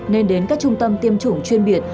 nên đến các trung tâm tiêm chủng chuyên biệt